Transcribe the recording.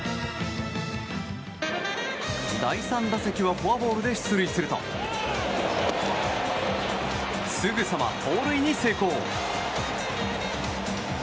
第３打席はフォアボールで出塁するとすぐさま盗塁に成功。